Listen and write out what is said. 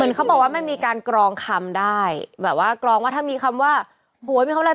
เขาบอกว่ามันมีการกรองคำได้แบบว่ากรองว่าถ้ามีคำว่าหัวมีคำอะไร